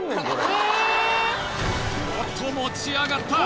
おっと持ち上がった